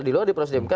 di luar proses di mk